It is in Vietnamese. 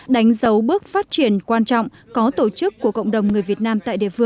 đánh dấu bước phát triển quan trọng có tổ chức của cộng đồng người việt nam